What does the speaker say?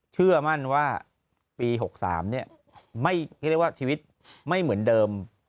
เชื่อมั่นว่าปี๖๓เนี่ยไม่คิดว่าชีวิตไม่เหมือนเดิม